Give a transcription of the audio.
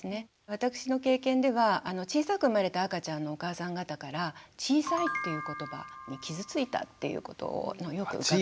私の経験では小さく生まれた赤ちゃんのお母さん方から「小さい」っていう言葉に傷ついたっていうことをよく伺うんです。